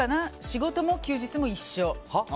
仕事も休日も一緒。